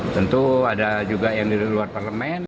tentu ada juga yang di luar parlemen